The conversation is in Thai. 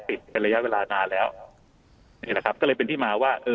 เป็นระยะเวลานานแล้วนี่แหละครับก็เลยเป็นที่มาว่าเออ